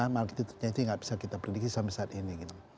malkititnya itu tidak bisa kita prediksi sampai saat ini